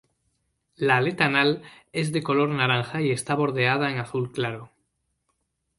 La aleta anal es de color naranja y está bordeada en azul claro.